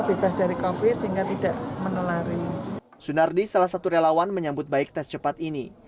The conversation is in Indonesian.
bebas dari kopi sehingga tidak menulari sunardi salah satu relawan menyambut baik tes cepat ini